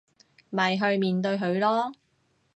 咪去面對佢囉